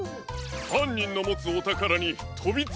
はんにんのもつおたからにとびついたとも。